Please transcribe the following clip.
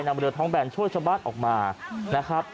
นำเรือท้องแบนช่วยชาวบ้านออกมานะครับ